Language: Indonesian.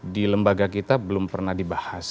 di lembaga kita belum pernah dibahas